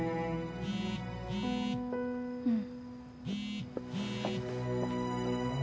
うん。